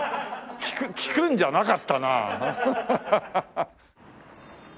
聞くんじゃなかったな。